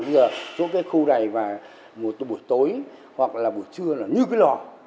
bây giờ giữa cái khu này và buổi tối hoặc là buổi trưa là như cái lò